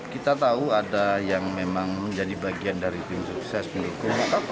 kita tahu ada yang memang menjadi bagian dari tim sukses begitu